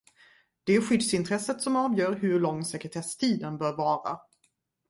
Det är skyddsintresset som avgör hur lång sekretesstiden bör vara.